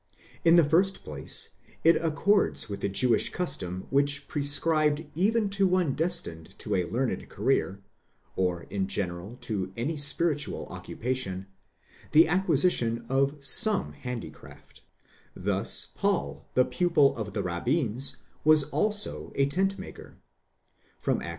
In the first place, it accords with the Jewish custom which pre scribed even to one destined to a learned career, or in general to any spiritual occupation, the acquisition of some handicraft ; thus Paul, the pupil of the rabbins, was also a tent maker, σκηνοποιὸς τὴν τέχνην (Acts xviii.